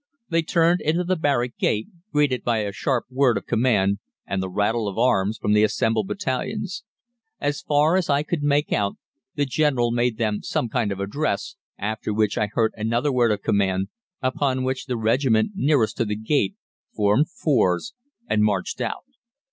They turned into the barrack gate, greeted by a sharp word of command and the rattle of arms from the assembled battalions. As far as I could make out, the General made them some kind of address, after which I heard another word of command, upon which the regiment nearest to the gate formed fours and marched out.